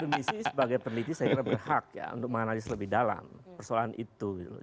di akademisi sebagai peneliti saya kira berhak ya untuk menganalisis lebih dalam persoalan itu gitu loh